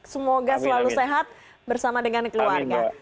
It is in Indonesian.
semoga selalu sehat bersama dengan keluarga